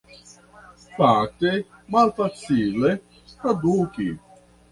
Fakte malfacile traduki.